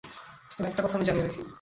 তবে, একটা কথা জানিয়ে রাখি।